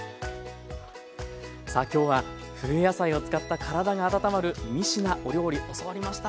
さあ今日は冬野菜を使ったからだが温まる３品お料理教わりました。